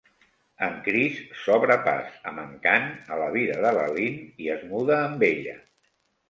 En Chris s'obre pas amb encant a la vida de la Lynn i es muda amb ella.